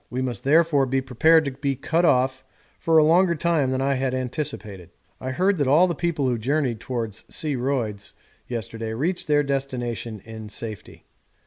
We must therefore be prepared to be cut off for a longer time than I anticipated. I heard that all the people who journeyed towards C. Royds yesterday reached their destination in safety.